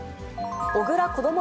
小倉こども